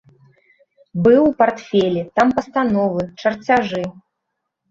Быў у партфелі, там пастановы, чарцяжы.